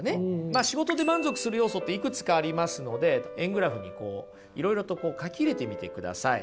まあ仕事で満足する要素っていくつかありますので円グラフにいろいろと書き入れてみてください。